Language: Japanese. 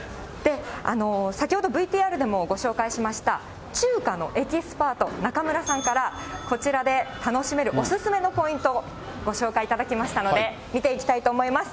先ほどＶＴＲでもご紹介しました、中華のエキスパート、中村さんから、こちらで楽しめるお勧めのポイントをご紹介いただきましたので、見ていきたいと思います。